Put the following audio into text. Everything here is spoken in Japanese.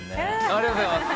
ありがとうございます。